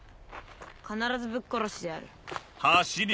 必ずぶっ殺してやる。